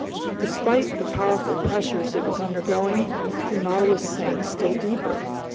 Despite the powerful pressures it was undergoing, the Nautilus sank still deeper.